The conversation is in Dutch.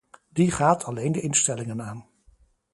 Die gaat alleen de instellingen aan.